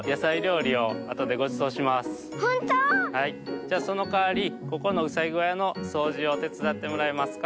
じゃそのかわりここのうさぎごやのそうじをてつだってもらえますか？